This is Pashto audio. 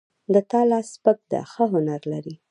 د تا لاس سپک ده ښه هنر لري